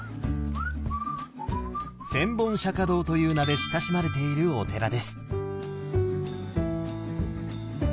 「千本釈堂」という名で親しまれているお寺です。